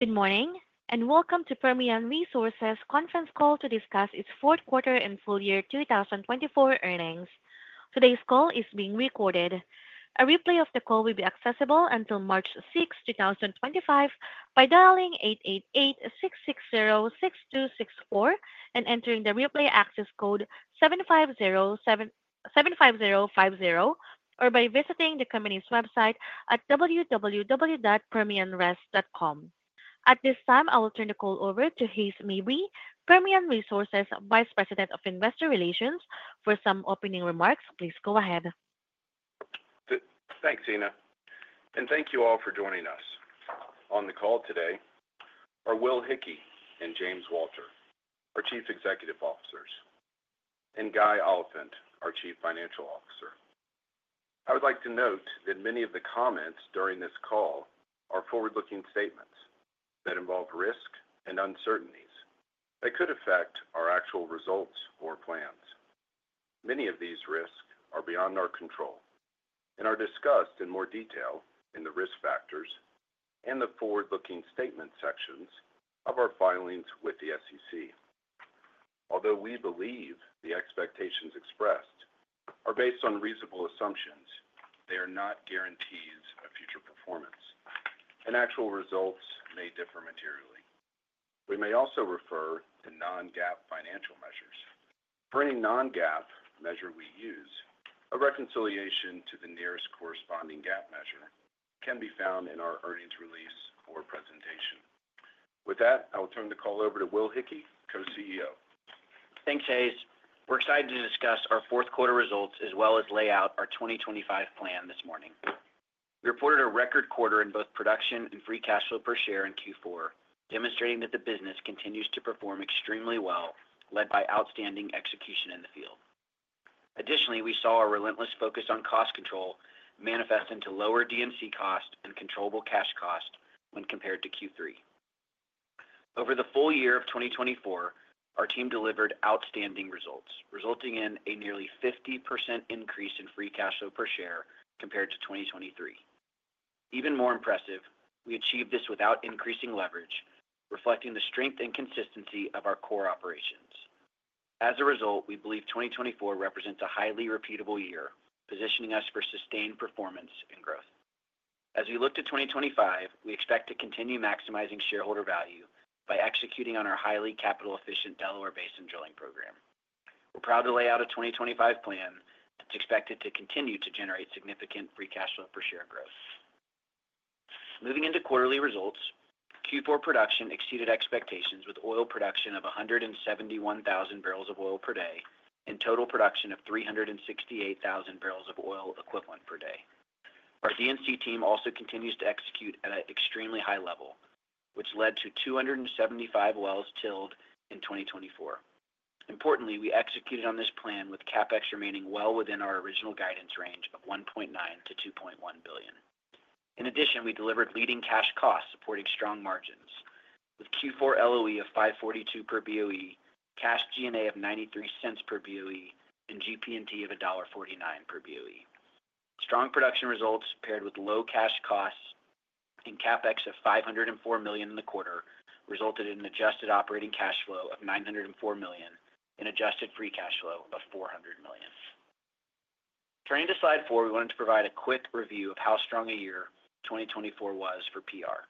Good morning, and welcome to Permian Resources' Conference Call to discuss its Q4 and full year 2024 earnings. Today's call is being recorded. A replay of the call will be accessible until March 6, 2025, by dialing 888-660-6264 and entering the replay access code 50, or by visiting the company's website at www.permianres.com. At this time, I will turn the call over to, Hays Mabry, Permian Resources Vice President of Investor Relations. For some opening remarks, please go ahead. Thanks, Ina. And thank you all for joining us on the call today, are Will Hickey and James Walter, our Chief Executive Officers, and Guy Oliphint, our Chief Financial Officer. I would like to note that many of the comments during this call are forward-looking statements that involve risk and uncertainties that could affect our actual results or plans. Many of these risks are beyond our control and are discussed in more detail in the risk factors and the forward-looking statement sections of our filings with the SEC. Although we believe the expectations expressed are based on reasonable assumptions, they are not guarantees of future performance, and actual results may differ materially. We may also refer to non-GAAP financial measures. For any non-GAAP measure we use, a reconciliation to the nearest corresponding GAAP measure can be found in our earnings release or presentation. With that, I will turn the call over to Will Hickey, Co-CEO. Thanks, Hays. We're excited to discuss our Q4 results as well as lay out our 2025 plan this morning. We reported a record quarter in both production and free cash flow per share in Q4, demonstrating that the business continues to perform extremely well, led by outstanding execution in the field. Additionally, we saw a relentless focus on cost control manifest into lower D&C cost and controllable cash cost when compared to Q3. Over the full year of 2024, our team delivered outstanding results, resulting in a nearly 50% increase in free cash flow per share compared to 2023. Even more impressive, we achieved this without increasing leverage, reflecting the strength and consistency of our core operations. As a result, we believe 2024 represents a highly repeatable year, positioning us for sustained performance and growth. As we look to 2025, we expect to continue maximizing shareholder value by executing on our highly capital-efficient Delaware-based controlling program. We're proud to lay out a 2025 plan that's expected to continue to generate significant free cash flow per share growth. Moving into quarterly results, Q4 production exceeded expectations with oil production of 171,000 barrels of oil per day and total production of 368,000 barrels of oil equivalent per day. Our DMC team also continues to execute at an extremely high level, which led to 275 wells drilled in 2024. Importantly, we executed on this plan with CapEx remaining well within our original guidance range of $1.9-$2.1 billion. In addition, we delivered leading cash costs supporting strong margins with Q4 LOE of $5.42 per BOE, cash G&A of $0.93 per BOE, and GP&T of $1.49 per BOE. Strong production results paired with low cash costs and CapEx of $504 million in the quarter resulted in an adjusted operating cash flow of $904 million and adjusted free cash flow of $400 million. Turning to slide four, we wanted to provide a quick review of how strong a year 2024 was for PR.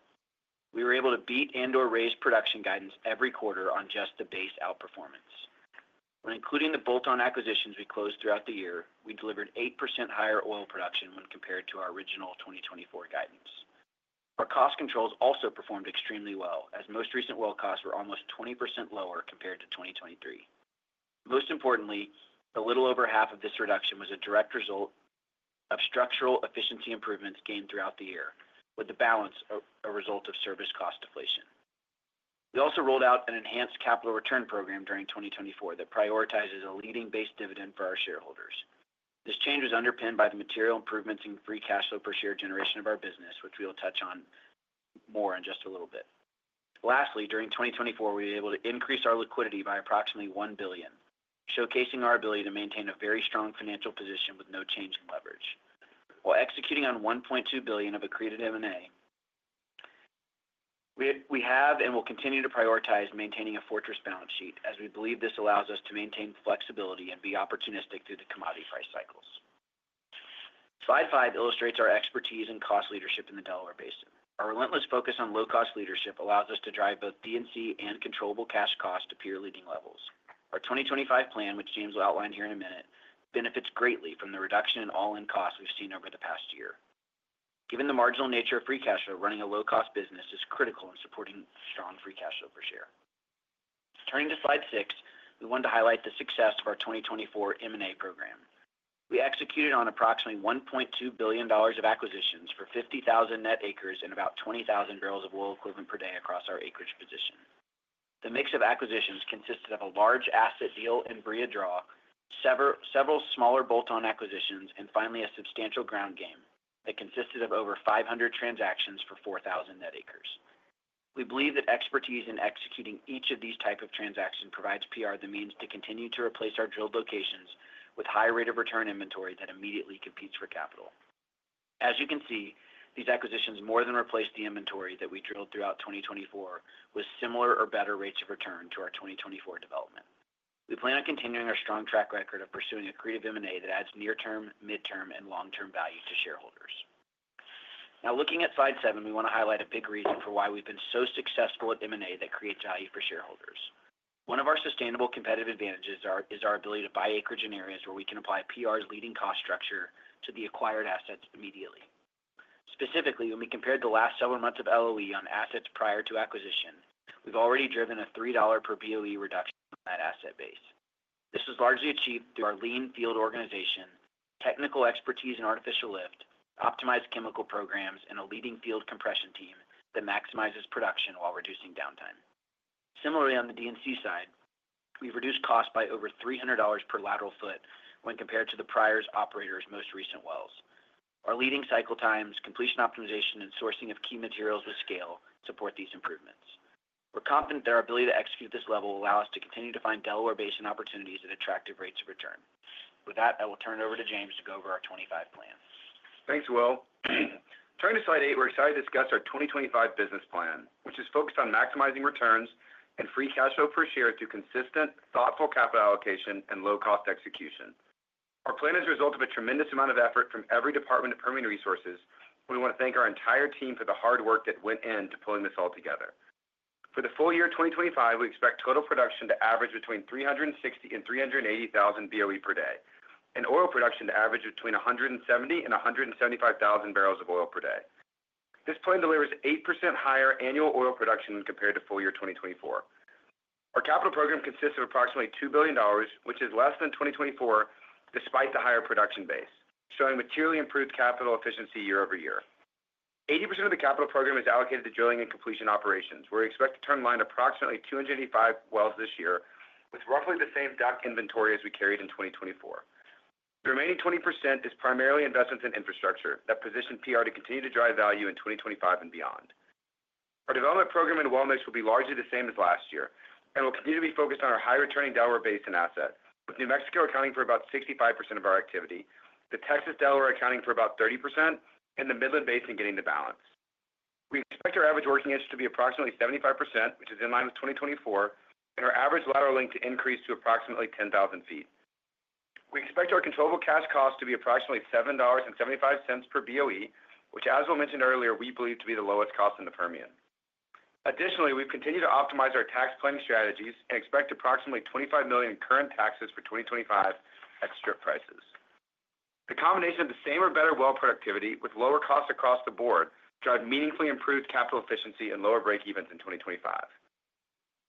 We were able to beat and/or raise production guidance every quarter on just the base outperformance. When including the bolt-on acquisitions we closed throughout the year, we delivered 8% higher oil production when compared to our original 2024 guidance. Our cost controls also performed extremely well, as most recent oil costs were almost 20% lower compared to 2023. Most importantly, the little over half of this reduction was a direct result of structural efficiency improvements gained throughout the year, with the balance a result of service cost deflation. We also rolled out an enhanced capital return program during 2024 that prioritizes a leading base dividend for our shareholders. This change was underpinned by the material improvements in free cash flow per share generation of our business, which we will touch on more in just a little bit. Lastly, during 2024, we were able to increase our liquidity by approximately $1 billion, showcasing our ability to maintain a very strong financial position with no change in leverage. While executing on $1.2 billion of accretive M&A, we have and will continue to prioritize maintaining a fortress balance sheet as we believe this allows us to maintain flexibility and be opportunistic through the commodity price cycles. Slide five illustrates our expertise in cost leadership in the Delaware Basin. Our relentless focus on low-cost leadership allows us to drive both DMC and controllable cash costs to peer-leading levels. Our 2025 plan, which James will outline here in a minute, benefits greatly from the reduction in all-in costs we've seen over the past year. Given the marginal nature of free cash flow, running a low-cost business is critical in supporting strong free cash flow per share. Turning to slide six, we wanted to highlight the success of our 2024 M&A program. We executed on approximately $1.2 billion of acquisitions for 50,000 net acres and about 20,000bbl of oil equivalent per day across our acreage position. The mix of acquisitions consisted of a large asset deal and Barilla Draw, several smaller bolt-on acquisitions, and finally a substantial ground game that consisted of over 500 transactions for 4,000 net acres. We believe that expertise in executing each of these types of transactions provides PR the means to continue to replace our drilled locations with high rate of return inventory that immediately competes for capital. As you can see, these acquisitions more than replaced the inventory that we drilled throughout 2024 with similar or better rates of return to our 2024 development. We plan on continuing our strong track record of pursuing a creative M&A that adds near-term, midterm, and long-term value to shareholders. Now, looking at slide seven, we want to highlight a big reason for why we've been so successful at M&A that creates value for shareholders. One of our sustainable competitive advantages is our ability to buy acreage in areas where we can apply PR's leading cost structure to the acquired assets immediately. Specifically, when we compared the last several months of LOE on assets prior to acquisition, we've already driven a $3 per BOE reduction on that asset base. This was largely achieved through our lean field organization, technical expertise in artificial lift, optimized chemical programs, and a leading field compression team that maximizes production while reducing downtime. Similarly, on the side, we've reduced costs by over $300 per lateral foot when compared to the prior operator's most recent wells. Our leading cycle times, completion optimization, and sourcing of key materials with scale support these improvements. We're confident that our ability to execute this level will allow us to continue to find Delaware-based opportunities at attractive rates of return. With that, I will turn it over to James to go over our 2025 plan. Thanks, Will. Turning to slide eight, we're excited to discuss our 2025 business plan, which is focused on maximizing returns and free cash flow per share through consistent, thoughtful capital allocation and low-cost execution. Our plan is the result of a tremendous amount of effort from every department of Permian Resources, and we want to thank our entire team for the hard work that went into pulling this all together. For the full year 2025, we expect total production to average between 360,000 and 380,000 BOE per day, and oil production to average between 170,000 and 175,000 barrels of oil per day. This plan delivers 8% higher annual oil production compared to full year 2024. Our capital program consists of approximately $2 billion, which is less than 2024 despite the higher production base, showing materially improved capital efficiency year over year. 80% of the capital program is allocated to drilling and completion operations, where we expect to turn in line approximately 285 wells this year with roughly the same DUC inventory as we carried in 2024. The remaining 20% is primarily investments in infrastructure that position PR to continue to drive value in 2025 and beyond. Our development program in well mix will be largely the same as last year and will continue to be focused on our high-returning Delaware Basin asset, with New Mexico accounting for about 65% of our activity, the Texas Delaware accounting for about 30%, and the Midland Basin getting the balance. We expect our average working interest to be approximately 75%, which is in line with 2024, and our average lateral length to increase to approximately 10,000 feet. We expect our controllable cash cost to be approximately $7.75 per BOE, which, as we mentioned earlier, we believe to be the lowest cost in the Permian. Additionally, we've continued to optimize our tax planning strategies and expect approximately $25 million in current taxes for 2025 at strip prices. The combination of the same or better well productivity with lower costs across the board drives meaningfully improved capital efficiency and lower breakevens in 2025.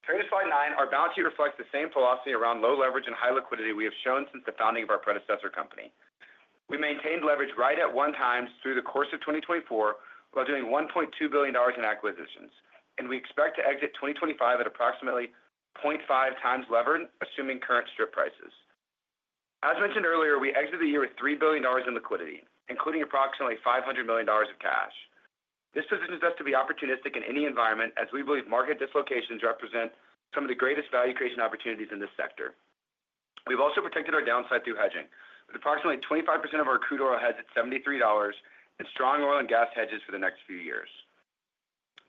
Turning to slide nine, our balance sheet reflects the same philosophy around low leverage and high liquidity we have shown since the founding of our predecessor company. We maintained leverage right at one times through the course of 2024 while doing $1.2 billion in acquisitions, and we expect to exit 2025 at approximately 0.5 times leverage, assuming current strip prices. As mentioned earlier, we exited the year with $3 billion in liquidity, including approximately $500 million in cash. This positions us to be opportunistic in any environment, as we believe market dislocations represent some of the greatest value creation opportunities in this sector. We've also protected our downside through hedging, with approximately 25% of our crude oil hedged at $73 and strong oil and gas hedges for the next few years.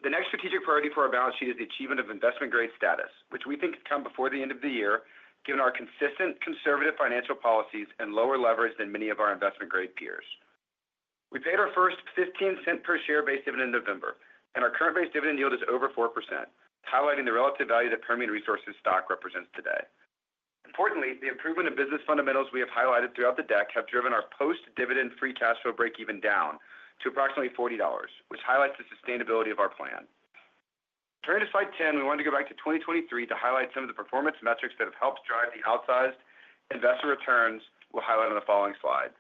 The next strategic priority for our balance sheet is the achievement of investment-grade status, which we think has come before the end of the year, given our consistent conservative financial policies and lower leverage than many of our investment-grade peers. We paid our first 15-cent per share base dividend in November, and our current base dividend yield is over 4%, highlighting the relative value that Permian Resources stock represents today. Importantly, the improvement of business fundamentals we have highlighted throughout the deck have driven our post-dividend free cash flow breakeven down to approximately $40, which highlights the sustainability of our plan. Turning to slide 10, we wanted to go back to 2023 to highlight some of the performance metrics that have helped drive the outsized investor returns we'll highlight on the following slide.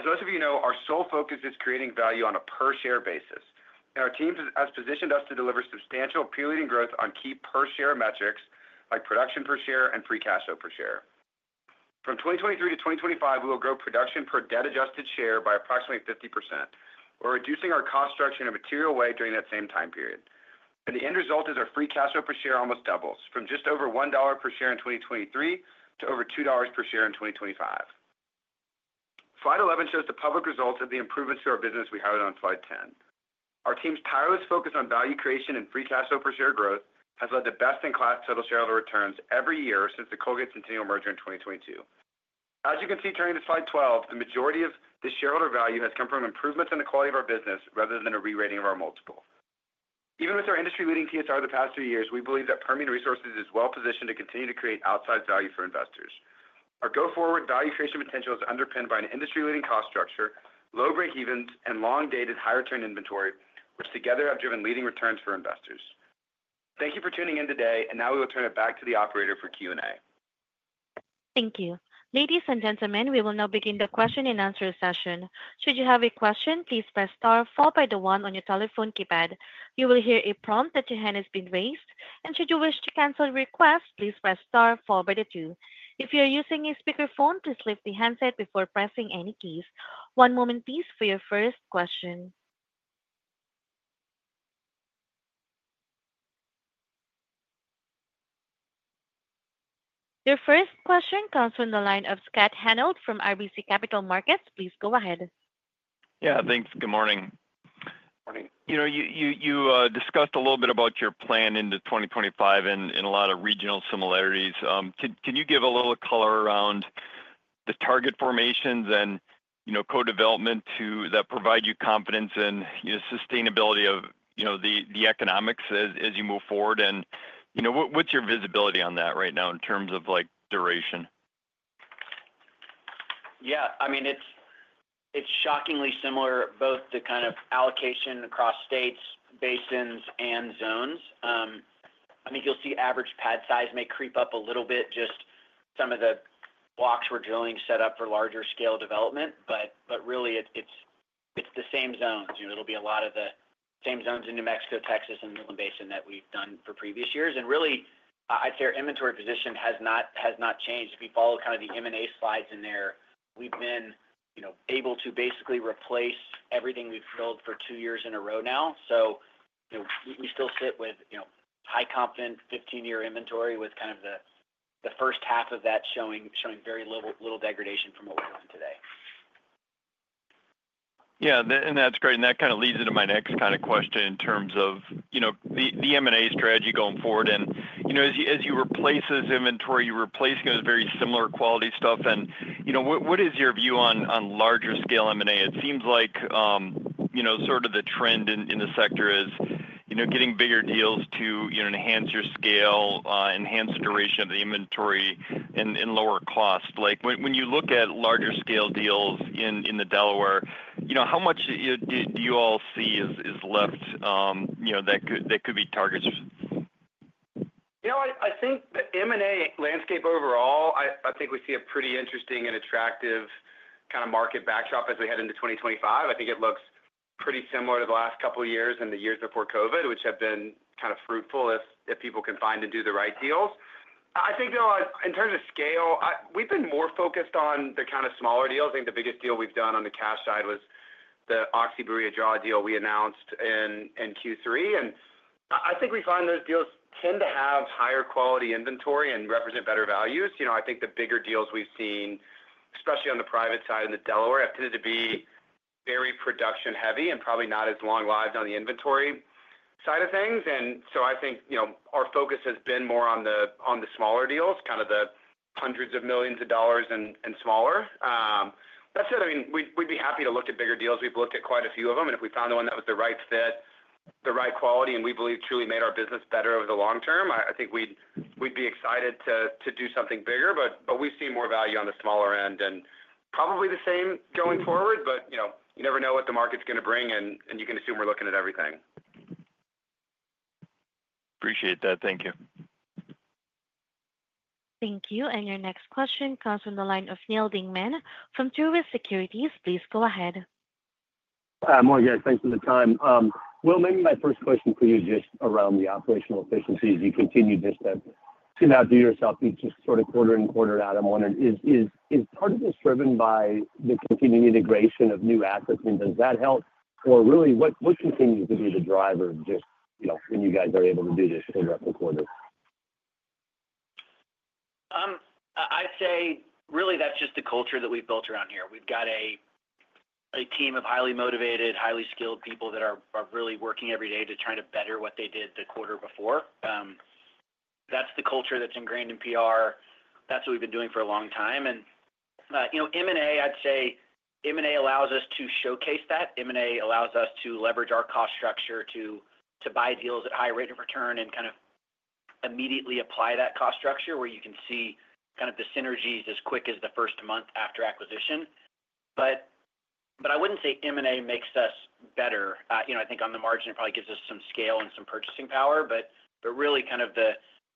As most of you know, our sole focus is creating value on a per-share basis, and our team has positioned us to deliver substantial peer-leading growth on key per-share metrics like production per share and free cash flow per share. From 2023-2025, we will grow production per debt-adjusted share by approximately 50%. We're reducing our cost structure in a material way during that same time period. The end result is our free cash flow per share almost doubles from just over $1 per share in 2023 to over $2 per share in 2025. Slide 11 shows the public results of the improvements to our business we highlighted on slide 10. Our team's tireless focus on value creation and free cash flow per share growth has led to best-in-class total shareholder returns every year since the Colgate Centennial merger in 2022. As you can see, turning to slide 12, the majority of the shareholder value has come from improvements in the quality of our business rather than a re-rating of our multiple. Even with our industry-leading TSR the past few years, we believe that Permian Resources is well-positioned to continue to create outsized value for investors. Our go-forward value creation potential is underpinned by an industry-leading cost structure, low breakevens, and long-dated high-return inventory, which together have driven leading returns for investors. Thank you for tuning in today, and now we will turn it back to the operator for Q&A. Thank you. Ladies and gentlemen, we will now begin the question and answer session. Should you have a question, please press star followed by the one on your telephone keypad. You will hear a prompt that your hand has been raised, and should you wish to cancel a request, please press star followed by the two. If you are using a speakerphone, please lift the handset before pressing any keys. One moment, please, for your first question. Your first question comes from the line of Scott Hanold from RBC Capital Markets. Please go ahead. Yeah, thanks. Good morning. You discussed a little bit about your plan into 2025 and a lot of regional similarities. Can you give a little color around the target formations and co-development that provide you confidence in sustainability of the economics as you move forward? And what's your visibility on that right now in terms of duration? Yeah. I mean, it's shockingly similar, both the kind of allocation across states, basins, and zones. I mean, you'll see average pad size may creep up a little bit, just some of the blocks we're drilling set up for larger scale development. But really, it's the same zones. It'll be a lot of the same zones in New Mexico, Texas, and the Midland Basin that we've done for previous years. And really, I'd say our inventory position has not changed. If you follow kind of the M&A slides in there, we've been able to basically replace everything we've drilled for two years in a row now. So we still sit with high confidence 15-year inventory, with kind of the first half of that showing very little degradation from what we're doing today. Yeah. And that's great. And that kind of leads into my next kind of question in terms of the M&A strategy going forward. And as you replace this inventory, you're replacing it with very similar quality stuff. And what is your view on larger scale M&A? It seems like sort of the trend in the sector is getting bigger deals to enhance your scale, enhance the duration of the inventory, and lower cost. When you look at larger scale deals in the Delaware, how much do you all see is left that could be targets? I think the M&A landscape overall, I think we see a pretty interesting and attractive kind of market backdrop as we head into 2025. I think it looks pretty similar to the last couple of years and the years before COVID, which have been kind of fruitful if people can find and do the right deals. I think in terms of scale, we've been more focused on the kind of smaller deals. I think the biggest deal we've done on the cash side was the Oxy Barilla Draw deal we announced in Q3. And I think we find those deals tend to have higher quality inventory and represent better values. I think the bigger deals we've seen, especially on the private side in the Delaware, have tended to be very production-heavy and probably not as long-lived on the inventory side of things. I think our focus has been more on the smaller deals, kind of the hundreds of millions of dollars and smaller. That said, I mean, we'd be happy to look at bigger deals. We've looked at quite a few of them. If we found the one that was the right fit, the right quality, and we believe truly made our business better over the long term, I think we'd be excited to do something bigger. We've seen more value on the smaller end and probably the same going forward, but you never know what the market's going to bring, and you can assume we're looking at everything. Appreciate that. Thank you. Thank you. And your next question comes from the line of Neal Dingman. From Truist Securities, please go ahead. Thanks for the time. Will, maybe my first question for you is just around the operational efficiencies. You continue to just outdo yourself just sort of quarter after quarter. I'm wondering, is part of this driven by the continued integration of new assets? I mean, does that help? Or really, what continues to be the driver just when you guys are able to do this over the course of the quarter? I'd say really that's just the culture that we've built around here. We've got a team of highly motivated, highly skilled people that are really working every day to try to better what they did the quarter before. That's the culture that's ingrained in PR. That's what we've been doing for a long time, and M&A, I'd say M&A allows us to showcase that. M&A allows us to leverage our cost structure to buy deals at high rate of return and kind of immediately apply that cost structure where you can see kind of the synergies as quick as the first month after acquisition, but I wouldn't say M&A makes us better. I think on the margin, it probably gives us some scale and some purchasing power. But really, kind of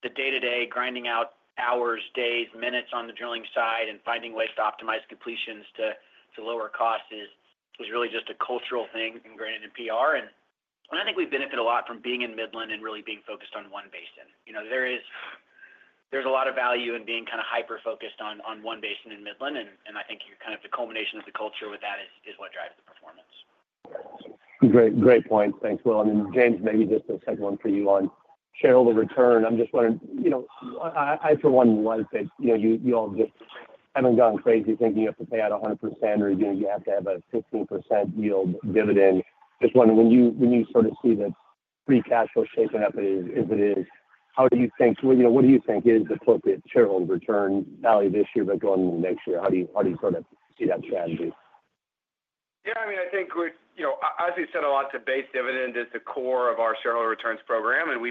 the day-to-day grinding out hours, days, minutes on the drilling side and finding ways to optimize completions to lower costs is really just a cultural thing ingrained in PR. And I think we benefit a lot from being in Midland and really being focused on one basin. There's a lot of value in being kind of hyper-focused on one basin in Midland. And I think kind of the culmination of the culture with that is what drives the performance. Great point. Thanks, Will. And James, maybe just a second one for you on shareholder return. I'm just wondering, I for one like that you all just haven't gone crazy thinking you have to pay out 100% or you have to have a 15% yield dividend. Just wondering, when you sort of see the free cash flow shaping up as it is, how do you think is the appropriate shareholder return value this year but going into next year? How do you sort of see that strategy? Yeah. I mean, I think, as we said, our base dividend is the core of our shareholder returns program. We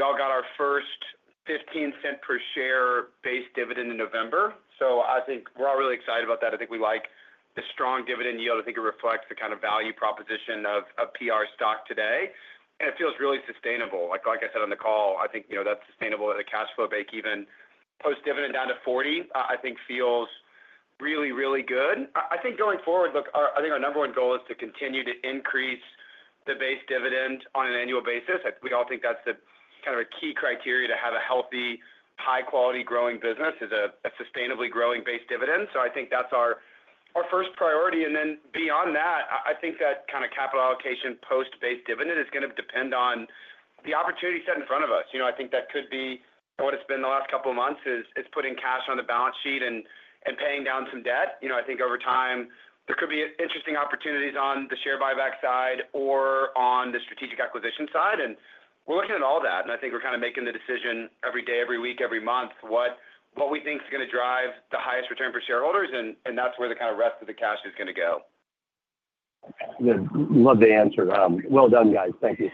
all got our first $0.15 per share base dividend in November. So I think we're all really excited about that. I think we like the strong dividend yield. I think it reflects the kind of value proposition of PR stock today. It feels really sustainable. Like I said on the call, I think that's sustainable at a cash flow breakeven post-dividend down to 40. I think it feels really, really good. I think going forward, look, I think our number one goal is to continue to increase the base dividend on an annual basis. We all think that's kind of a key criterion to have a healthy, high-quality growing business, a sustainably growing base dividend. So I think that's our first priority, And then beyond that, I think that kind of capital allocation post-base dividend is going to depend on the opportunity set in front of us. I think that could be what it's been the last couple of months is putting cash on the balance sheet and paying down some debt. I think over time, there could be interesting opportunities on the share buyback side or on the strategic acquisition side. And we're looking at all that. And I think we're kind of making the decision every day, every week, every month what we think is going to drive the highest return for shareholders. And that's where the kind of rest of the cash is going to go. Love the answer. Well done, guys. Thank you.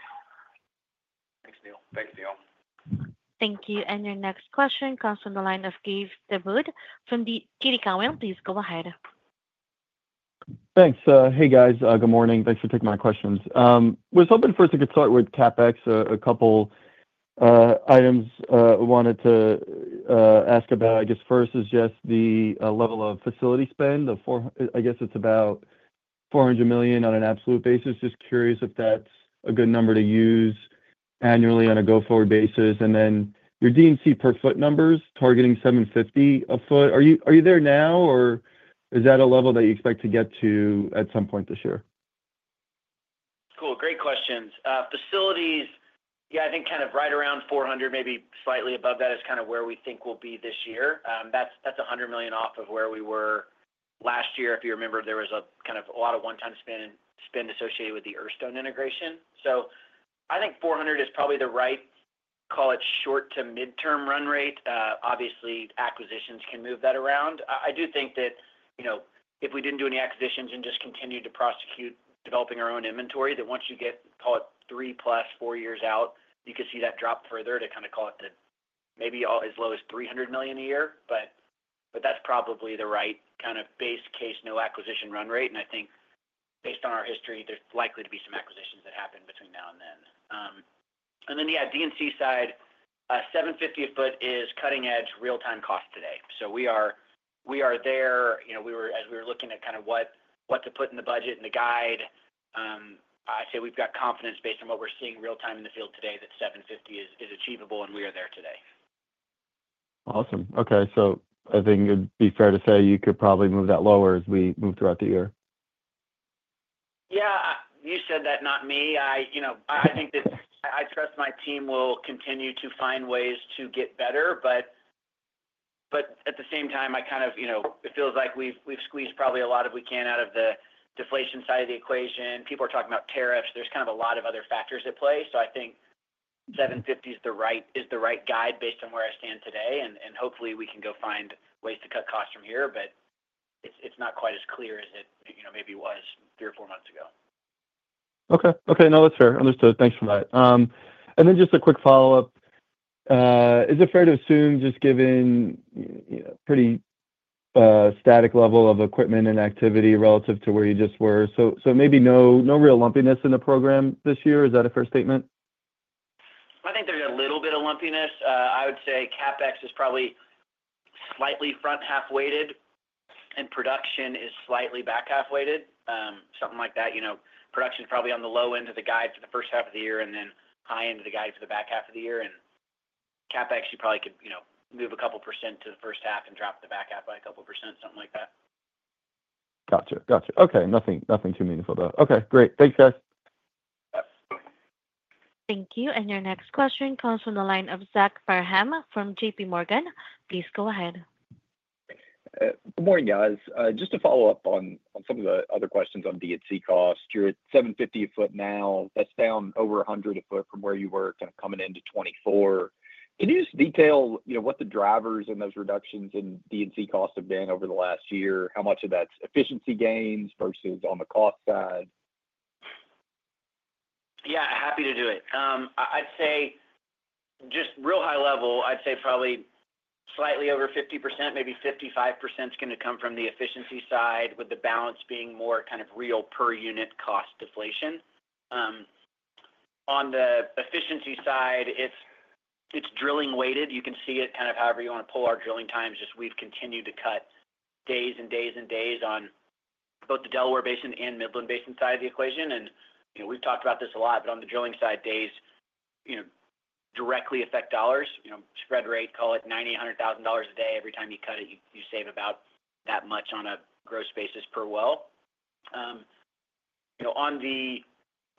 Thanks, Neil. Thanks, Neil. Thank you. And your next question comes from the line of Gabe Daoud from TD Cowen. Please go ahead. Thanks. Hey, guys. Good morning. Thanks for taking my questions. I was hoping first we could start with CapEx. A couple of items we wanted to ask about. I guess first is just the level of facility spend. I guess it's about $400 million on an absolute basis. Just curious if that's a good number to use annually on a go-forward basis. And then your D&C per foot numbers targeting $750 ft. Are you there now, or is that a level that you expect to get to at some point this year? Cool. Great questions. Facilities, yeah, I think kind of right around $400 million, maybe slightly above that is kind of where we think we'll be this year. That's $100 million off of where we were last year. If you remember, there was kind of a lot of one-time spend associated with the Earthstone integration. So I think $400 million is probably the right, call it short to midterm run rate. Obviously, acquisitions can move that around. I do think that if we didn't do any acquisitions and just continued to prosecute developing our own inventory, that once you get, call it three plus four years out, you could see that drop further to kind of call it maybe as low as $300 million a year. But that's probably the right kind of base case no acquisition run rate. I think based on our history, there's likely to be some acquisitions that happen between now and then. And then, yeah, D&C side, $750ft is cutting-edge real-time cost today. So we are there. As we were looking at kind of what to put in the budget and the guide, I'd say we've got confidence based on what we're seeing real-time in the field today that $750 is achievable, and we are there today. Awesome. Okay. So I think it'd be fair to say you could probably move that lower as we move throughout the year. Yeah. You said that, not me. I think that I trust my team will continue to find ways to get better. But at the same time, I kind of it feels like we've squeezed probably a lot of what we can out of the deflation side of the equation. People are talking about tariffs. There's kind of a lot of other factors at play. So I think 750 is the right guide based on where I stand today. And hopefully, we can go find ways to cut costs from here. But it's not quite as clear as it maybe was three or four months ago. Okay. Okay. No, that's fair. Understood. Thanks for that. And then just a quick follow-up. Is it fair to assume, just given pretty static level of equipment and activity relative to where you just were? So maybe no real lumpiness in the program this year. Is that a fair statement? I think there's a little bit of lumpiness. I would say CapEx is probably slightly front-half weighted, and production is slightly back-half weighted. Something like that. Production is probably on the low end of the guide for the first half of the year and then high end of the guide for the back half of the year, and CapEx, you probably could move a couple of % to the first half and drop the back half by a couple of %, something like that. Gotcha. Gotcha. Okay. Nothing too meaningful there. Okay. Great. Thanks, guys. Thank you. And your next question comes from the line of Zach Parham from JPMorgan. Please go ahead. Good morning, guys. Just to follow up on some of the other questions on D&C cost. You're at 750ft now. That's down over 100ft from where you were kind of coming into 2024. Can you just detail what the drivers in those reductions in D&C cost have been over the last year? How much of that's efficiency gains versus on the cost side? Yeah. Happy to do it. I'd say just real high level, I'd say probably slightly over 50%, maybe 55% is going to come from the efficiency side with the balance being more kind of real per unit cost deflation. On the efficiency side, it's drilling weighted. You can see it kind of however you want to pull our drilling times. Just we've continued to cut days and days and days on both the Delaware Basin and Midland Basin side of the equation, and we've talked about this a lot, but on the drilling side, days directly affect dollars. Spread rate, call it $90,000-$100,000 a day. Every time you cut it, you save about that much on a gross basis per well. On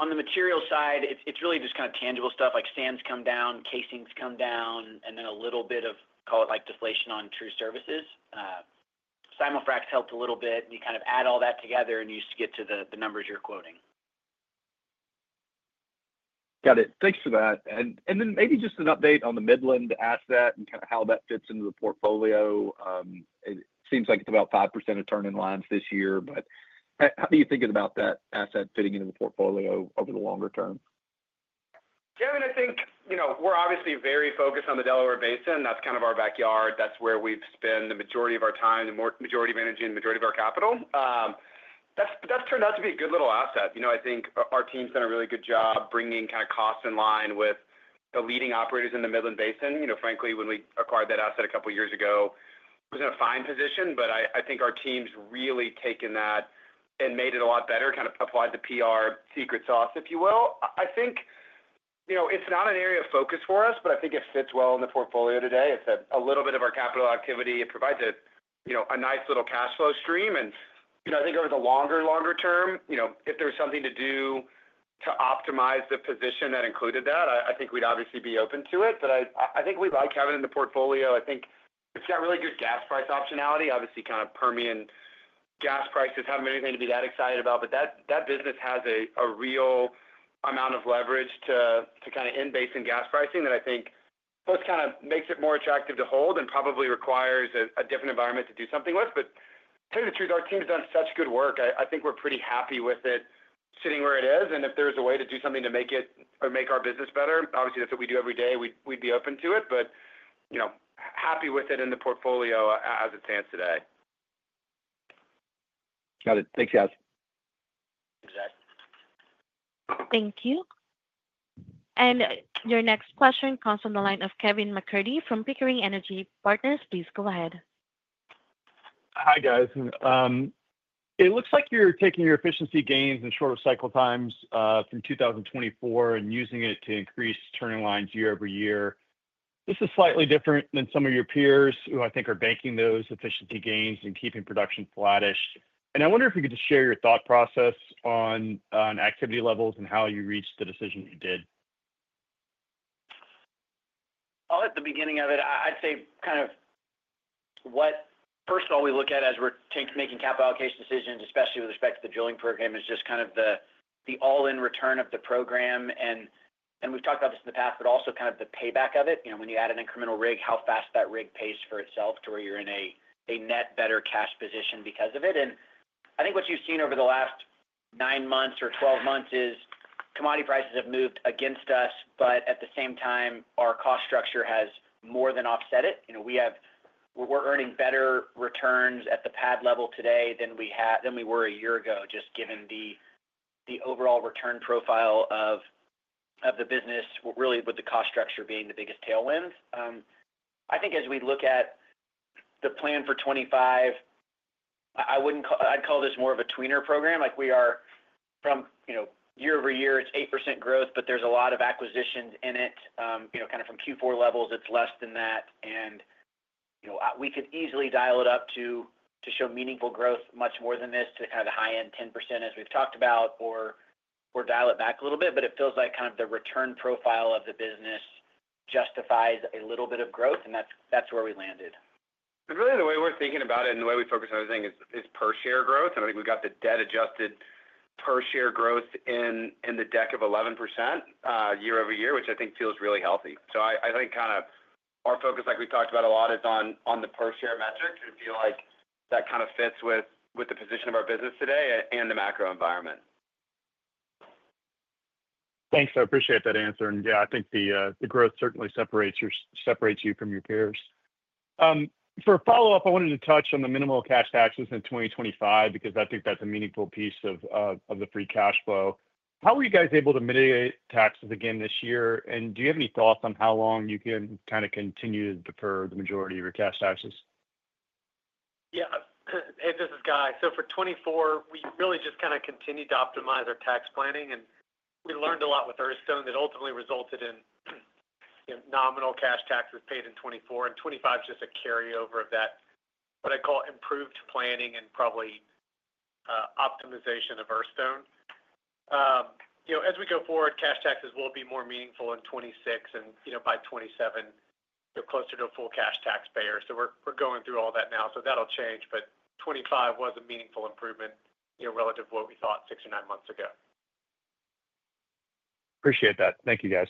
the material side, it's really just kind of tangible stuff like sands come down, casings come down, and then a little bit of, call it deflation on frac services. Simul-fracs helped a little bit. You kind of add all that together, and you just get to the numbers you're quoting. Got it. Thanks for that. And then maybe just an update on the Midland asset and kind of how that fits into the portfolio. It seems like it's about 5% of turn-in lines this year. But how do you think about that asset fitting into the portfolio over the longer term? I think we're obviously very focused on the Delaware Basin. That's kind of our backyard. That's where we've spent the majority of our time, the majority of energy and the majority of our capital. That's turned out to be a good little asset. I think our team's done a really good job bringing kind of costs in line with the leading operators in the Midland Basin. Frankly, when we acquired that asset a couple of years ago. It was in a fine position. But I think our team's really taken that and made it a lot better, kind of applied the PR secret sauce, if you will. I think it's not an area of focus for us, but I think it fits well in the portfolio today. It's a little bit of our capital activity. It provides a nice little cash flow stream. I think over the longer, longer term, if there was something to do to optimize the position that included that, I think we'd obviously be open to it. But I think we'd like having it in the portfolio. I think it's got really good gas price optionality. Obviously, kind of Permian gas prices haven't been anything to be that excited about. But that business has a real amount of leverage to kind of in-basin gas pricing that I think both kind of makes it more attractive to hold and probably requires a different environment to do something with. But to tell you the truth, our team's done such good work. I think we're pretty happy with it sitting where it is. And if there's a way to do something to make our business better, obviously, that's what we do every day. We'd be open to it, but happy with it in the portfolio as it stands today. Got it. Thanks, guys. Thank you. And your next question comes from the line of Kevin MacCurdy from Pickering Energy Partners. Please go ahead. Hi, guys. It looks like you're taking your efficiency gains and shorter cycle times from 2024 and using it to increase turn-in lines year over year. This is slightly different than some of your peers who I think are banking those efficiency gains and keeping production flattish. I wonder if you could just share your thought process on activity levels and how you reached the decision you did. At the beginning of it, I'd say kind of what, first of all, we look at as we're making capital allocation decisions, especially with respect to the drilling program, is just kind of the all-in return of the program. And we've talked about this in the past, but also kind of the payback of it. When you add an incremental rig, how fast that rig pays for itself to where you're in a net better cash position because of it. And I think what you've seen over the last nine months or 12 months is commodity prices have moved against us. But at the same time, our cost structure has more than offset it. We're earning better returns at the pad level today than we were a year ago, just given the overall return profile of the business, really with the cost structure being the biggest tailwind. I think as we look at the plan for 2025, I'd call this more of a tweener program. From year over year, it's 8% growth, but there's a lot of acquisitions in it. Kind of from Q4 levels, it's less than that, and we could easily dial it up to show meaningful growth much more than this to kind of the high-end 10% as we've talked about or dial it back a little bit, but it feels like kind of the return profile of the business justifies a little bit of growth, and that's where we landed. Really, the way we're thinking about it and the way we focus on everything is per-share growth. I think we've got the debt-adjusted per-share growth in the deck of 11% year over year, which I think feels really healthy. I think kind of our focus, like we've talked about a lot, is on the per-share metric. I feel like that kind of fits with the position of our business today and the macro environment. Thanks. I appreciate that answer, and yeah, I think the growth certainly separates you from your peers. For a follow-up, I wanted to touch on the minimal cash taxes in 2025 because I think that's a meaningful piece of the free cash flow. How were you guys able to mitigate taxes again this year? And do you have any thoughts on how long you can kind of continue to defer the majority of your cash taxes? Yeah. Hey, this is Guy. So for 2024, we really just kind of continued to optimize our tax planning. And we learned a lot with that ultimately resulted in nominal cash taxes paid in 2024. And 2025 is just a carryover of that, what I call improved planning and probably optimization of Earthstone. As we go forward, cash taxes will be more meaningful in 2026 and by 2027, closer to a full cash taxpayer. So we're going through all that now. So that'll change. But 2025 was a meaningful improvement relative to what we thought six or nine months ago. Appreciate that. Thank you, guys.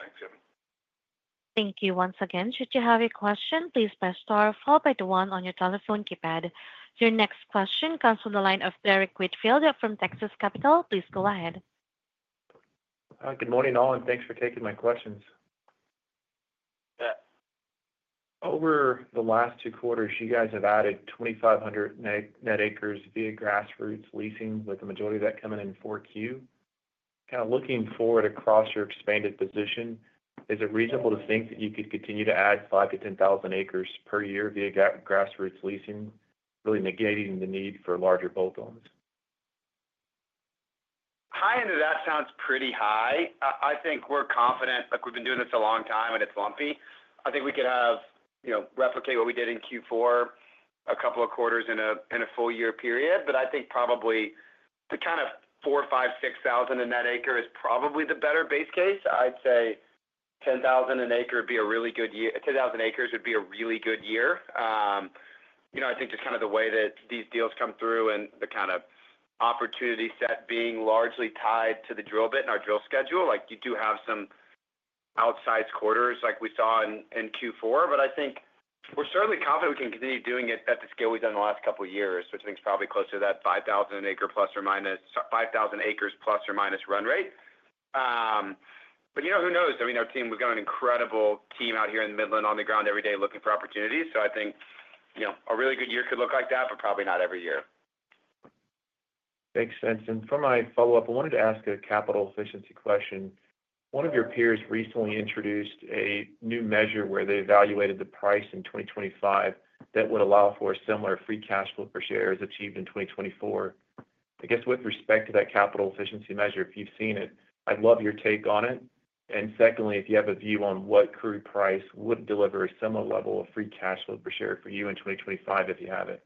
Thanks, Kevin. Thank you once again. Should you have a question, please press star followed by the one on your telephone keypad. Your next question comes from the line of Derrick Whitfield from Texas Capital. Please go ahead. Good morning, all, and thanks for taking my questions. Over the last two quarters, you guys have added 2,500 net acres via grassroots leasing, with the majority of that coming in 4Q. Kind of looking forward across your expanded position, is it reasonable to think that you could continue to add 5,000-10,000ac per year via grassroots leasing, really negating the need for larger bolt-ons? High end of that sounds pretty high. I think we're confident. We've been doing this a long time, and it's lumpy. I think we could have replicated what we did in Q4 a couple of quarters in a full year period. But I think probably the kind of 4,000, 5,000, 6,000 in that acre is probably the better base case. I'd say 10,000 an acre would be a really good year. 10,000 acres would be a really good year. I think just kind of the way that these deals come through and the kind of opportunity set being largely tied to the drill bit and our drill schedule. You do have some outsized quarters like we saw in Q4. But I think we're certainly confident we can continue doing it at the scale we've done the last couple of years, which I think is probably closer to that 5,000 acre plus or minus 5,000 acres plus or minus run rate. But who knows? I mean, our team, we've got an incredible team out here in Midland on the ground every day looking for opportunities. So I think a really good year could look like that, but probably not every year. Makes sense, and for my follow-up, I wanted to ask a capital efficiency question. One of your peers recently introduced a new measure where they evaluated the price in 2025 that would allow for a similar free cash flow per share achieved in 2024. I guess with respect to that capital efficiency measure, if you've seen it, I'd love your take on it, and secondly, if you have a view on what crude price would deliver a similar level of free cash flow per share for you in 2025, if you have it?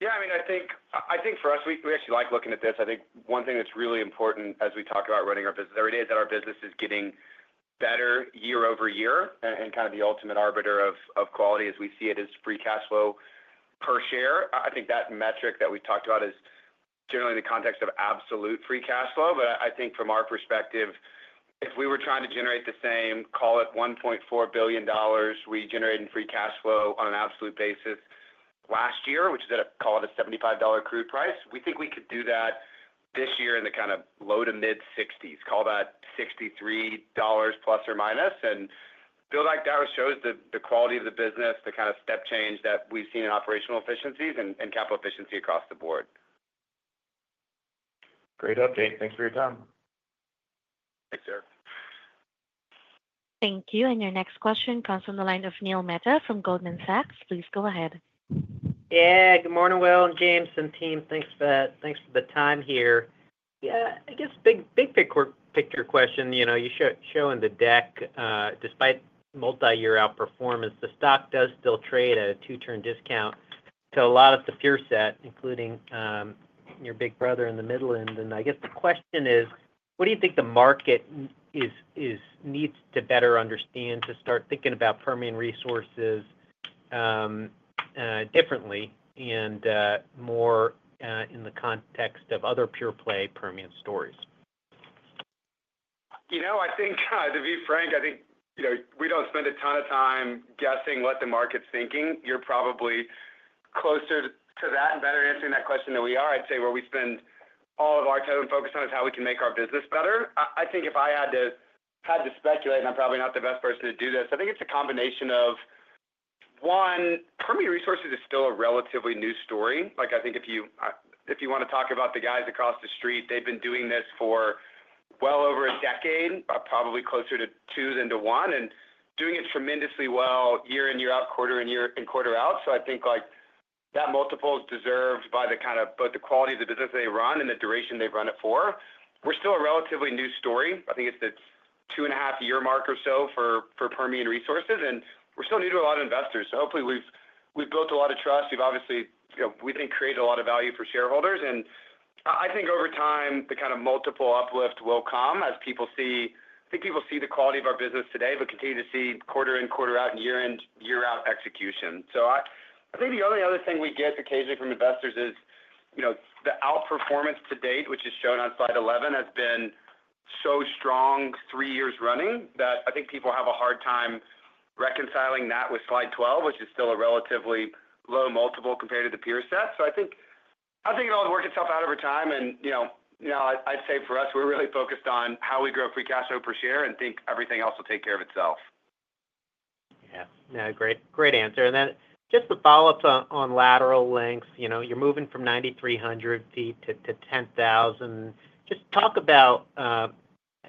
Yeah. I mean, I think for us, we actually like looking at this. I think one thing that's really important as we talk about running our business every day is that our business is getting better year over year. And kind of the ultimate arbiter of quality as we see it is free cash flow per share. I think that metric that we've talked about is generally in the context of absolute free cash flow. But I think from our perspective, if we were trying to generate the same, call it $1.4 billion we generated in free cash flow on an absolute basis last year, which is at a, call it a $75 crude price, we think we could do that this year in the kind of low-to-mid-60s, call that $63 plus or minus. Will, that shows the quality of the business, the kind of step change that we've seen in operational efficiencies and capital efficiency across the board. Great update. Thanks for your time. Thanks, sir. Thank you. And your next question comes from the line of Neil Mehta from Goldman Sachs. Please go ahead. Yeah. Good morning, Will and James and team. Thanks for the time here. Yeah. I guess big picture question. You show in the deck, despite multi-year outperformance, the stock does still trade at a two-turn discount to a lot of the peer set, including your big brother in the Midland. And I guess the question is, what do you think the market needs to better understand to start thinking about Permian Resources differently and more in the context of other pure-play Permian stories? I think, to be frank, I think we don't spend a ton of time guessing what the market's thinking. You're probably closer to that and better answering that question than we are. I'd say where we spend all of our time and focus on is how we can make our business better. I think if I had to speculate, and I'm probably not the best person to do this, I think it's a combination of one, Permian Resources is still a relatively new story. I think if you want to talk about the guys across the street, they've been doing this for well over a decade, probably closer to two than to one, and doing it tremendously well year in, year out, quarter in, year in, quarter out. I think that multiple is deserved by kind of both the quality of the business they run and the duration they've run it for. We're still a relatively new story. I think it's the two and a half year mark or so for Permian Resources. And we're still new to a lot of investors. So hopefully, we've built a lot of trust. We've obviously, we think, created a lot of value for shareholders. And I think over time, the kind of multiple uplift will come as people see I think people see the quality of our business today, but continue to see quarter in, quarter out, and year in, year out execution. So I think the only other thing we get occasionally from investors is the outperformance to date, which is shown on slide 11, has been so strong three years running that I think people have a hard time reconciling that with slide 12, which is still a relatively low multiple compared to the peer set, so I think it all would work itself out over time, and now I'd say for us, we're really focused on how we grow free cash flow per share and think everything else will take care of itself. Yeah. No, great answer, and then just the follow-up on lateral lengths, you're moving from 9,300ft to 10,000ft. Just talk about how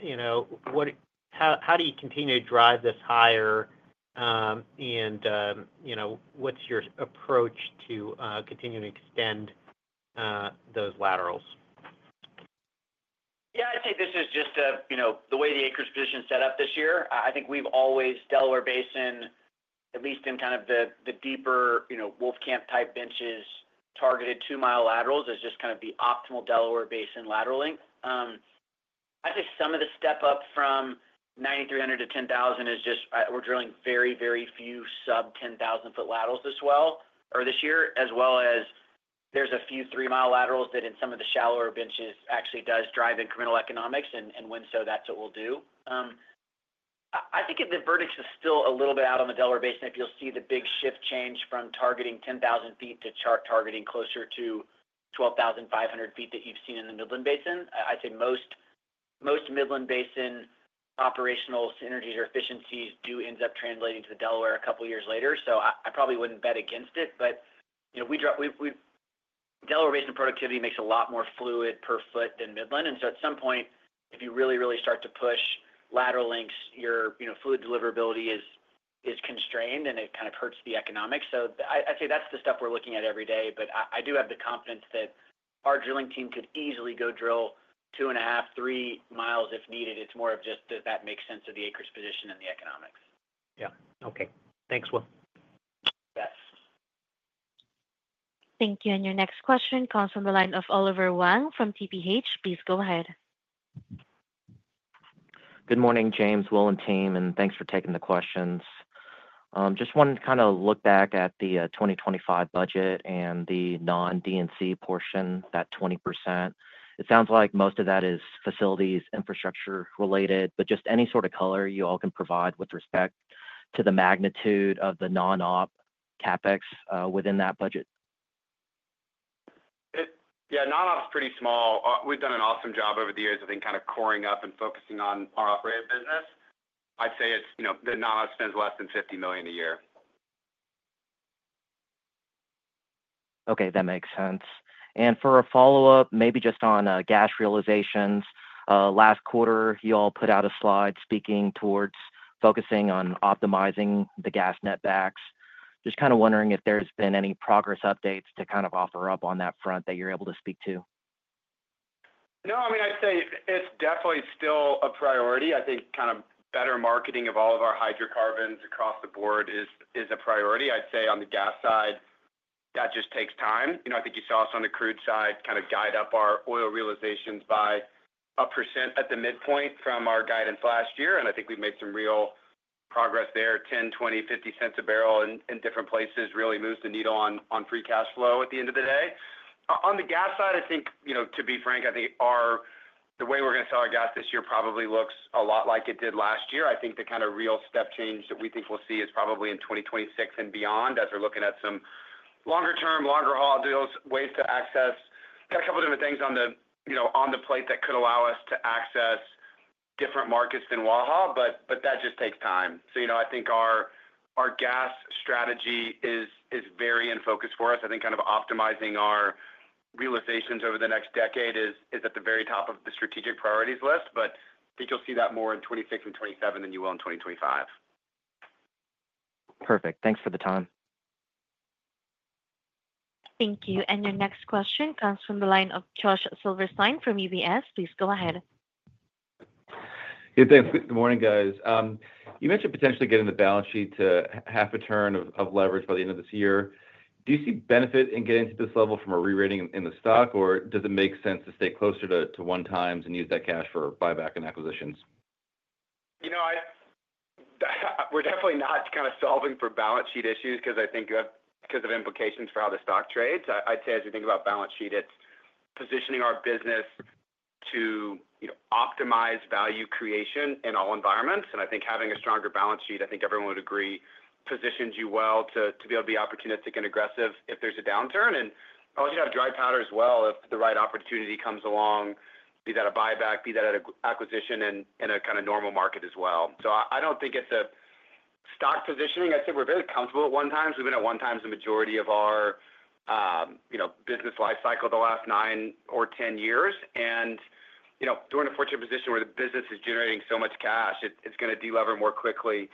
do you continue to drive this higher, and what's your approach to continuing to extend those laterals? Yeah. I'd say this is just the way the acreage position is set up this year. I think we've always Delaware Basin, at least in kind of the deeper Wolfcamp type benches, targeted two-mile laterals as just kind of the optimal Delaware Basin lateral length. I think some of the step up from 9,300 to 10,000 is just we're drilling very, very few sub-10,000-foot laterals this year as well as there's a few three-mile laterals that in some of the shallower benches actually does drive incremental economics. And when so, that's what we'll do. I think the verdict is still a little bit out on the Delaware Basin. If you'll see the big shift change from targeting 10,000 feet to start targeting closer to 12,500 feet that you've seen in the Midland Basin, I'd say most Midland Basin operational synergies or efficiencies do end up translating to the Delaware a couple of years later. So I probably wouldn't bet against it. But Delaware Basin productivity makes a lot more fluid per foot than Midland. And so at some point, if you really, really start to push lateral lengths, your fluid deliverability is constrained, and it kind of hurts the economics. So I'd say that's the stuff we're looking at every day. But I do have the confidence that our drilling team could easily go drill two and a half, three miles if needed. It's more of just does that make sense of the acreage position and the economics. Yeah. Okay. Thanks, Will. Yes. Thank you. And your next question comes from the line of Oliver Huang from TPH. Please go ahead. Good morning, James, Will, and team. Thanks for taking the questions. Just wanted to kind of look back at the 2025 budget and the non-D&C portion, that 20%. It sounds like most of that is facilities, infrastructure related, but just any sort of color you all can provide with respect to the magnitude of the non-op CapEx within that budget. Yeah. Non-op's pretty small. We've done an awesome job over the years, I think, kind of coring up and focusing on our operating business. I'd say the non-op spends less than $50 million a year. Okay. That makes sense. And for a follow-up, maybe just on gas realizations, last quarter, you all put out a slide speaking towards focusing on optimizing the gas netbacks. Just kind of wondering if there's been any progress updates to kind of offer up on that front that you're able to speak to? No. I mean, I'd say it's definitely still a priority. I think kind of better marketing of all of our hydrocarbons across the board is a priority. I'd say on the gas side, that just takes time. I think you saw us on the crude side kind of guide up our oil realizations by 1% at the midpoint from our guidance last year. And I think we've made some real progress there. $0.10, $0.20, $0.50 a barrel in different places really moves the needle on free cash flow at the end of the day. On the gas side, I think, to be frank, I think the way we're going to sell our gas this year probably looks a lot like it did last year. I think the kind of real step change that we think we'll see is probably in 2026 and beyond as we're looking at some longer-term, longer-haul deals, ways to access a couple of different things on the plate that could allow us to access different markets than Waha. But that just takes time. So I think our gas strategy is very in focus for us. I think kind of optimizing our realizations over the next decade is at the very top of the strategic priorities list. But I think you'll see that more in 2026 and 2027 than you will in 2025. Perfect. Thanks for the time. Thank you. And your next question comes from the line of Josh Silverstein from UBS. Please go ahead. Hey, thanks. Good morning, guys. You mentioned potentially getting the balance sheet to half a turn of leverage by the end of this year. Do you see benefit in getting to this level from a re-rating in the stock, or does it make sense to stay closer to one times and use that cash for buyback and acquisitions? We're definitely not kind of solving for balance sheet issues because I think because of implications for how the stock trades. I'd say as we think about balance sheet, it's positioning our business to optimize value creation in all environments. I think having a stronger balance sheet, I think everyone would agree, positions you well to be able to be opportunistic and aggressive if there's a downturn. We'll just have dry powder as well if the right opportunity comes along, be that a buyback, be that an acquisition in a kind of normal market as well. I don't think it's a stock positioning. I'd say we're very comfortable at one times. We've been at one times the majority of our business life cycle the last 9 or 10 years. During a fortunate position where the business is generating so much cash, it's going to delever more quickly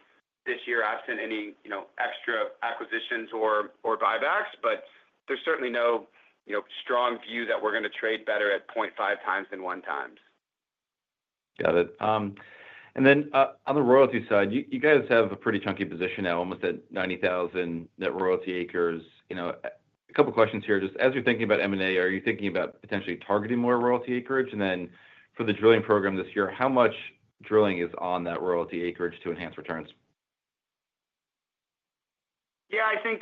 this year absent any extra acquisitions or buybacks. But there's certainly no strong view that we're going to trade better at 0.5 times than one times. Got it. And then on the royalty side, you guys have a pretty chunky position now, almost at 90,000 net royalty acres. A couple of questions here. Just as you're thinking about M&A, are you thinking about potentially targeting more royalty acreage? And then for the drilling program this year, how much drilling is on that royalty acreage to enhance returns? Yeah. I think,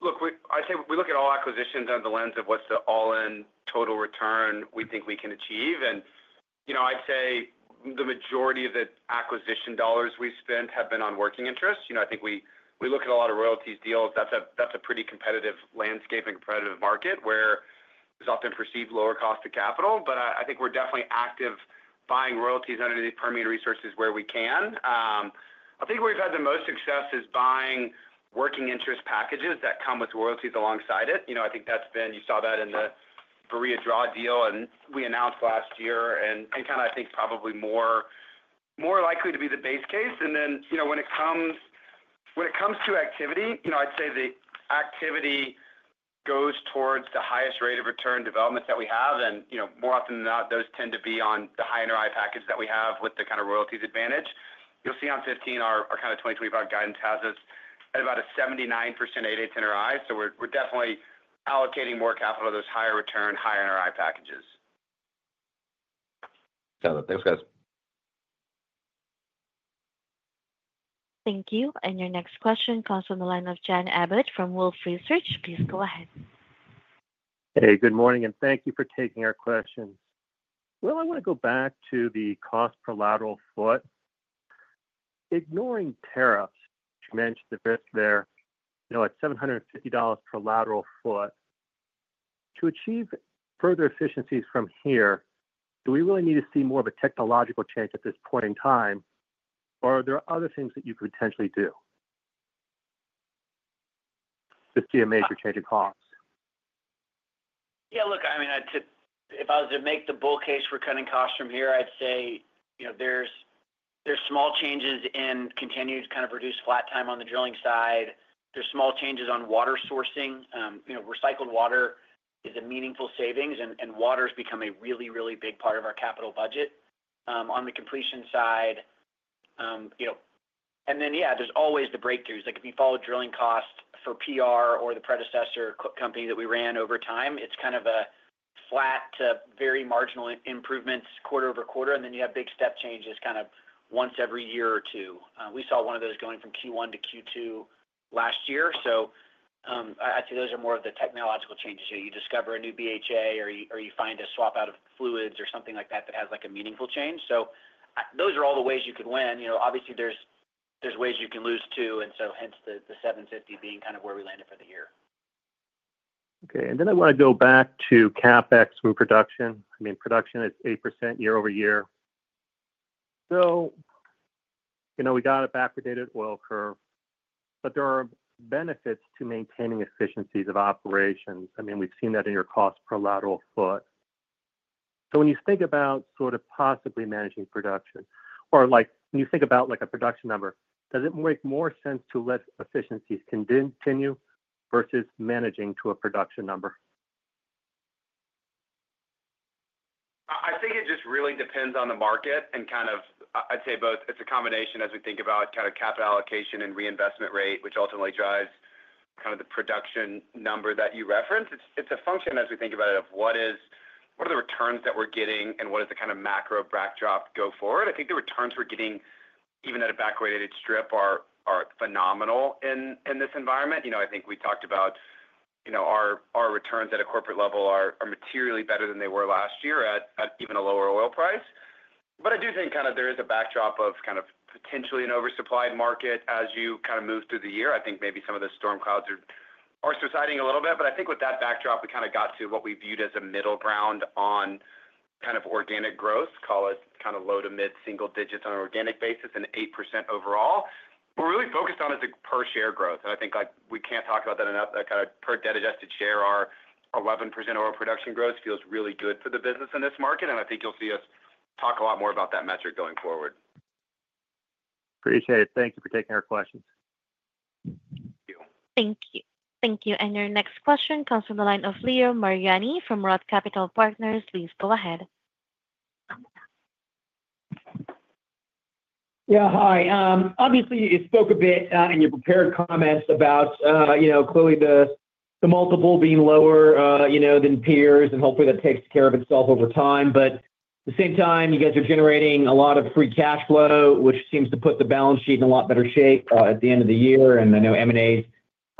look, I'd say we look at all acquisitions under the lens of what's the all-in total return we think we can achieve. And I'd say the majority of the acquisition dollars we spent have been on working interest. I think we look at a lot of royalties deals. That's a pretty competitive landscape and competitive market where there's often perceived lower cost of capital. But I think we're definitely active buying royalties underneath Permian Resources where we can. I think where we've had the most success is buying working interest packages that come with royalties alongside it. I think that's been. You saw that in the Barilla Draw deal we announced last year and kind of I think probably more likely to be the base case. Then when it comes to activity, I'd say the activity goes towards the highest rate of return developments that we have. And more often than not, those tend to be on the high NRI package that we have with the kind of royalties advantage. You'll see on '15, our kind of 2025 guidance has us at about a 79% 8/8 NRI. So we're definitely allocating more capital to those higher return, higher NRI packages. Got it. Thanks, guys. Thank you. Your next question comes from the line of Jan Abbott from Wells Fargo Securities. Please go ahead. Hey, good morning, and thank you for taking our questions. Will, I want to go back to the cost per lateral foot. Ignoring tariffs, you mentioned the risk there at $750 per lateral foot. To achieve further efficiencies from here, do we really need to see more of a technological change at this point in time, or are there other things that you could potentially do to see a major change in costs? Yeah. Look, I mean, if I was to make the bull case for cutting costs from here, I'd say there's small changes in continued kind of reduced flat time on the drilling side. There's small changes on water sourcing. Recycled water is a meaningful savings, and water has become a really, really big part of our capital budget. On the completion side, and then, yeah, there's always the breakthroughs. If you follow drilling costs for PR or the predecessor company that we ran over time, it's kind of a flat to very marginal improvements quarter over quarter. And then you have big step changes kind of once every year or two. We saw one of those going from Q1 to Q2 last year. So I'd say those are more of the technological changes. You discover a new BHA or you find a swap out of fluids or something like that that has a meaningful change. So those are all the ways you could win. Obviously, there's ways you can lose too, and so hence the 750 being kind of where we landed for the year. Okay. And then I want to go back to CapEx from production. I mean, production is 8% year over year. So we got a backwardated oil curve, but there are benefits to maintaining efficiencies of operations. I mean, we've seen that in your cost per lateral foot. So when you think about sort of possibly managing production, or when you think about a production number, does it make more sense to let efficiencies continue versus managing to a production number? I think it just really depends on the market and kind of I'd say both. It's a combination as we think about kind of capital allocation and reinvestment rate, which ultimately drives kind of the production number that you referenced. It's a function as we think about it of what are the returns that we're getting and what is the kind of macro backdrop go forward. I think the returns we're getting even at a backward dated strip are phenomenal in this environment. I think we talked about our returns at a corporate level are materially better than they were last year at even a lower oil price. But I do think kind of there is a backdrop of kind of potentially an oversupplied market as you kind of move through the year. I think maybe some of the storm clouds are subsiding a little bit but I think with that backdrop, we kind of got to what we viewed as a middle ground on kind of organic growth, call it kind of low to mid single digits on an organic basis and 8% overall. We're really focused on it as a per share growth. And I think we can't talk about that enough. Kind of per debt-adjusted share, our 11% oil production growth feels really good for the business in this market. And I think you'll see us talk a lot more about that metric going forward. Appreciate it. Thank you for taking our questions. Thank you. Thank you. And your next question comes from the line of Leo Mariani from Roth Capital Partners. Please go ahead. Yeah. Hi. Obviously, you spoke a bit in your prepared comments about clearly the multiple being lower than peers, and hopefully that takes care of itself over time. But at the same time, you guys are generating a lot of free cash flow, which seems to put the balance sheet in a lot better shape at the end of the year. And I know M&A is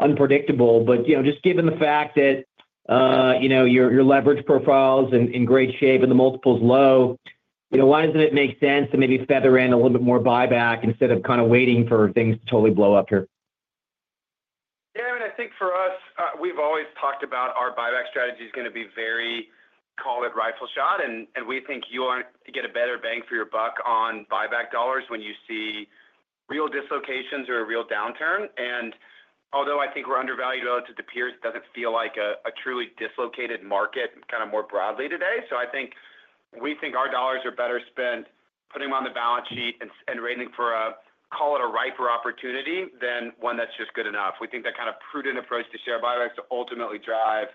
unpredictable. But just given the fact that your leverage profile is in great shape and the multiple is low, why doesn't it make sense to maybe feather in a little bit more buyback instead of kind of waiting for things to totally blow up here? Yeah. I mean, I think for us, we've always talked about our buyback strategy is going to be very, call it rifle shot. And we think you'll get a better bang for your buck on buyback dollars when you see real dislocations or a real downturn. And although I think we're undervalued relative to peers, it doesn't feel like a truly dislocated market kind of more broadly today. So I think we think our dollars are better spent putting them on the balance sheet and waiting for a, call it a riper opportunity than one that's just good enough. We think that kind of prudent approach to share buybacks to ultimately drive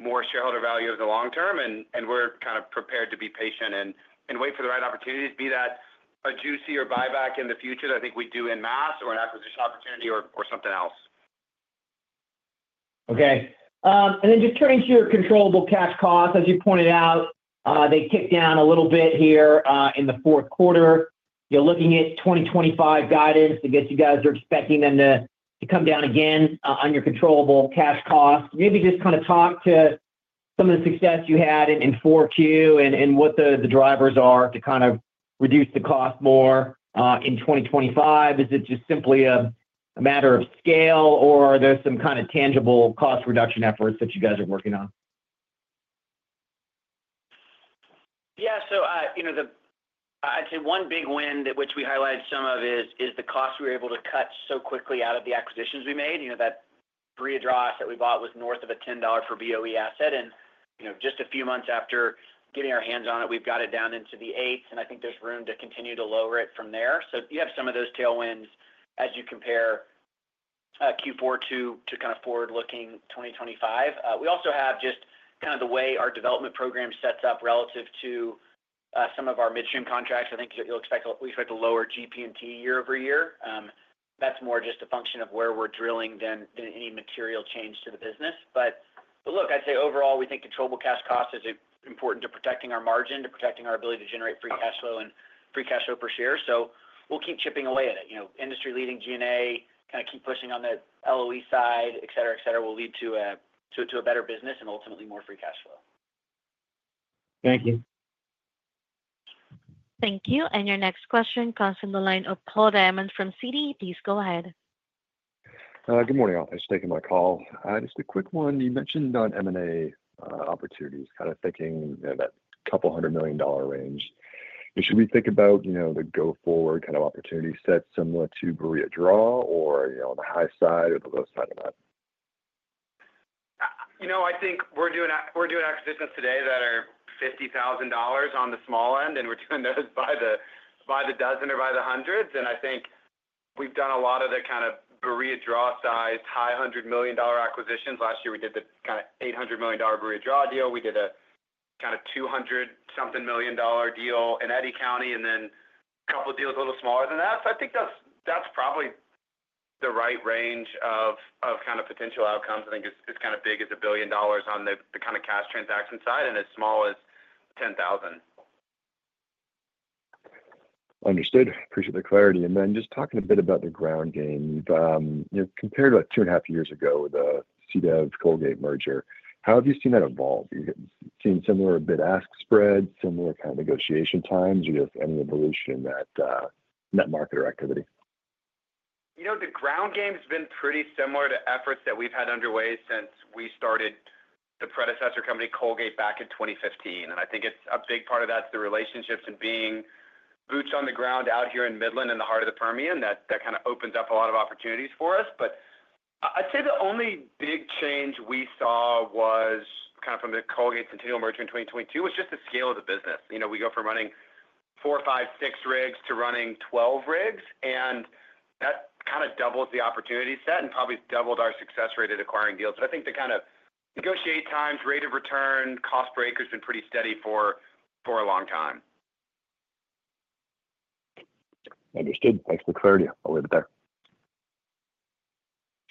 more shareholder value over the long term. We're kind of prepared to be patient and wait for the right opportunities, be that a juicier buyback in the future that I think we do.. en masse or an acquisition opportunity or something else. Okay. And then just turning to your controllable cash costs, as you pointed out, they ticked down a little bit here in the Q4. You're looking at 2025 guidance to see if you guys are expecting them to come down again on your controllable cash costs. Maybe just kind of talk to some of the success you had in 4Q and what the drivers are to kind of reduce the cost more in 2025. Is it just simply a matter of scale, or are there some kind of tangible cost reduction efforts that you guys are working on? Yeah. So I'd say one big win that we highlighted some of is the cost we were able to cut so quickly out of the acquisitions we made. That Barilla Draw asset we bought was north of a $10 per BOE asset. And just a few months after getting our hands on it, we've got it down into the 8s. And I think there's room to continue to lower it from there. So you have some of those tailwinds as you compare Q4 to kind of forward-looking 2025. We also have just kind of the way our development program sets up relative to some of our midstream contracts. I think we expect a lower GP&T year over year. That's more just a function of where we're drilling than any material change to the business. But look, I'd say overall, we think controllable cash cost is important to protecting our margin, to protecting our ability to generate free cash flow and free cash flow per share. So we'll keep chipping away at it. Industry-leading G&A kind of keep pushing on the LOE side, etc., etc., will lead to a better business and ultimately more free cash flow. Thank you. Thank you. And your next question comes from the line of Paul Diamond from Citi. Please go ahead. Good morning. I'm just taking my call. Just a quick one. You mentioned on M&A opportunities, kind of thinking that $200 million range. Should we think about the go-forward kind of opportunity set similar to Barilla Draw or the high side or the low side of that? I think we're doing acquisitions today that are $50,000 on the small end, and we're doing those by the dozen or by the hundreds, and I think we've done a lot of the kind of Barilla Draw sized, high hundred million dollar acquisitions. Last year, we did the kind of $800 million Barilla Draw deal. We did a kind of 200-something million dollar deal in Eddy County and then a couple of deals a little smaller than that. So I think that's probably the right range of kind of potential outcomes. I think it's kind of big as $1 billion on the kind of cash transaction side and as small as $10,000. Understood. Appreciate the clarity. And then just talking a bit about the ground game. Compared to about two and a half years ago with the CDEV, Colgate merger, how have you seen that evolve? You've seen similar bid-ask spreads, similar kind of negotiation times, or just any evolution in that market or activity? The ground game has been pretty similar to efforts that we've had underway since we started the predecessor company, Colgate, back in 2015. I think a big part of that is the relationships and being boots on the ground out here in Midland in the heart of the Permian that kind of opens up a lot of opportunities for us. I'd say the only big change we saw was kind of from the Colgate Centennial merger in 2022 was just the scale of the business. We go from running four, five, six rigs to running 12 rigs, and that kind of doubles the opportunity set and probably doubled our success rate at acquiring deals. I think the kind of negotiate times, rate of return, cost break has been pretty steady for a long time. Understood. Thanks for the clarity. I'll leave it there.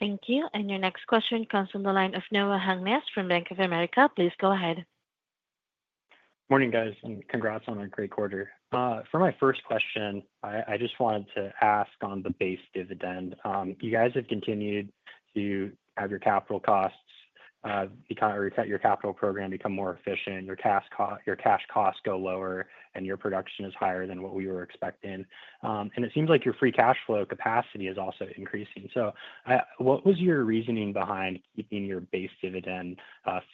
Thank you. And your next question comes from the line of Noah Hungness from Bank of America. Please go ahead. Morning, guys. And congrats on a great quarter. For my first question, I just wanted to ask on the base dividend. You guys have continued to have your capital costs or your capital program become more efficient, your cash costs go lower, and your production is higher than what we were expecting. And it seems like your free cash flow capacity is also increasing. So what was your reasoning behind keeping your base dividend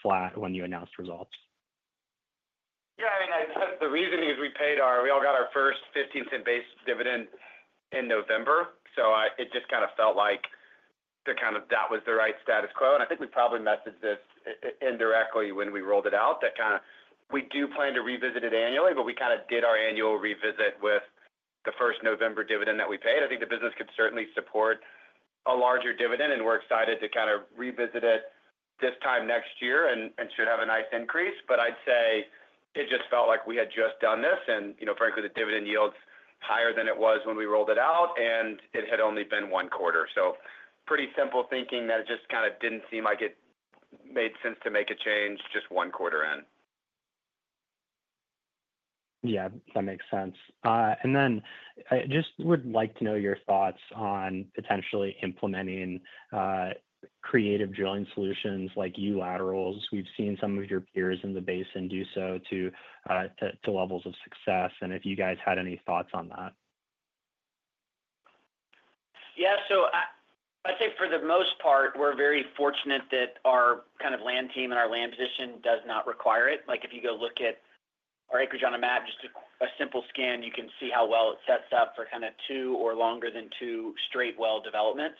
flat when you announced results? Yeah. I mean, the reasoning is we all got our first $0.15 base dividend in November. So it just kind of felt like that was the right status quo. And I think we probably messaged this indirectly when we rolled it out that kind of we do plan to revisit it annually, but we kind of did our annual revisit with the first November dividend that we paid. I think the business could certainly support a larger dividend, and we're excited to kind of revisit it this time next year and should have a nice increase. But I'd say it just felt like we had just done this. And frankly, the dividend yield's higher than it was when we rolled it out, and it had only been one quarter. So, pretty simple thinking that it just kind of didn't seem like it made sense to make a change just one quarter in. Yeah. That makes sense. And then I just would like to know your thoughts on potentially implementing creative drilling solutions like U-laterals. We've seen some of your peers in the Basin and do so to levels of success. And if you guys had any thoughts on that? Yeah. So I'd say for the most part, we're very fortunate that our kind of land team and our land position does not require it. If you go look at our acreage on a map, just a simple scan, you can see how well it sets up for kind of two or longer than two straight well developments.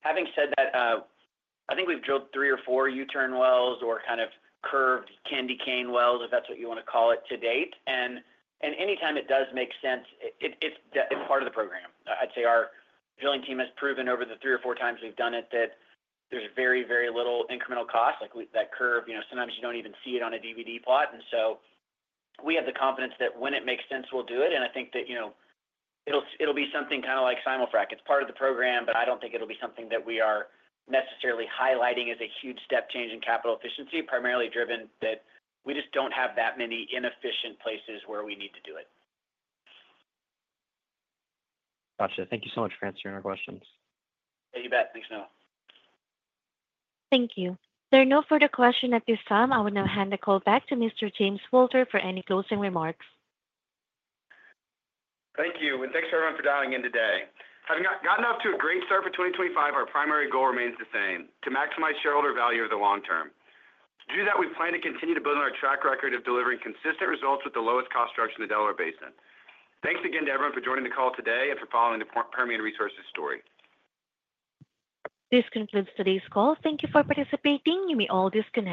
Having said that, I think we've drilled three or four U-turn wells or kind of curved candy cane wells, if that's what you want to call it, to date. And anytime it does make sense, it's part of the program. I'd say our drilling team has proven over the three or four times we've done it that there's very, very little incremental cost. That curve, sometimes you don't even see it on a dev plot. And so we have the confidence that when it makes sense, we'll do it. I think that it'll be something kind of like simul-frac. It's part of the program, but I don't think it'll be something that we are necessarily highlighting as a huge step change in capital efficiency, primarily driven that we just don't have that many inefficient places where we need to do it. Gotcha. Thank you so much for answering our questions. Yeah. You bet. Thanks, Noah. Thank you. There are no further questions at this time. I will now hand the call back to Mr. James Walter for any closing remarks. Thank you. And thanks to everyone for dialing in today. Having gotten off to a great start for 2025, our primary goal remains the same: to maximize shareholder value over the long term. To do that, we plan to continue to build on our track record of delivering consistent results with the lowest cost structure in the Delaware Basin. Thanks again to everyone for joining the call today and for following the Permian Resources story. This concludes today's call. Thank you for participating. You may all disconnect.